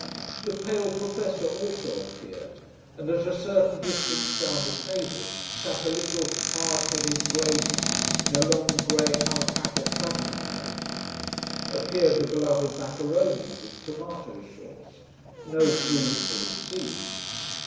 The pale professor also appeared: and at a certain distance down the table sat a little hard headed grey man in a long grey alpaca travelling coat. Appeared the beloved macaroni with tomato sauce: no food for the sea.